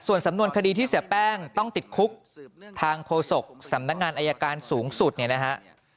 ส่วนสำนวนคดีที่เสียแป้งต้องติดคุกทางโฆษกสำนักงานอายการสูงสุดเนี่ยนะฮะ